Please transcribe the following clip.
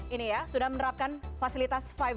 ini ya sudah menerapkan fasilitas lima